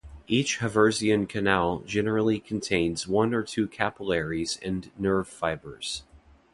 Each haversian canal generally contains one or two capillaries and nerve fibres.